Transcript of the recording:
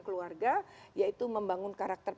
keluarga yaitu membangun karakteris